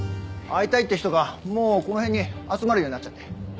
会いたいという人がもうこの辺に集まるようになっちゃって。